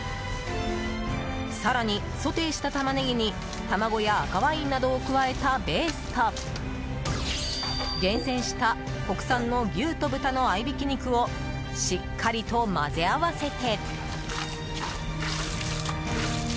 更にソテーしたタマネギに、卵や赤ワインなどを加えたベースと厳選した国産の牛と豚の合いびき肉をしっかりと混ぜ合わせて。